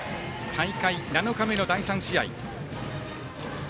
大会７日目の第３試合。